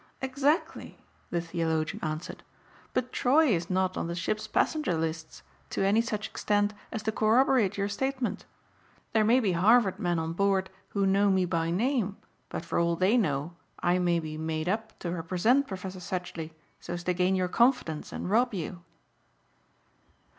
"Exactly," the theologian answered. "But Troy is not on the ship's passenger lists to any such extent as to corroborate your statement. There may be Harvard men on board who know me by name but for all they know I may be made up to represent Professor Sedgely so as to gain your confidence and rob you."